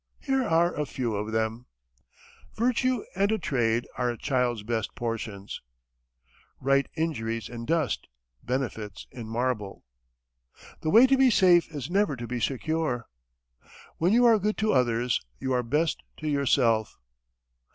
Here are a few of them: Virtue and a trade are a child's best portions. Write injuries in dust, benefits in marble. The way to be safe is never to be secure. When you are good to others, you are best to yourself.